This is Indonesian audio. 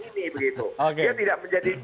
ini begitu dia tidak menjadi